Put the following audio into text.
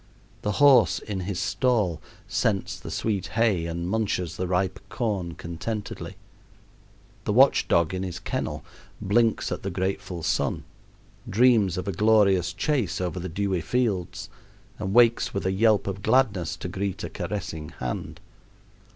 The horse in his stall scents the sweet hay and munches the ripe corn contentedly. The watch dog in his kennel blinks at the grateful sun, dreams of a glorious chase over the dewy fields, and wakes with a yelp of gladness to greet a caressing hand.